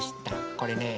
これね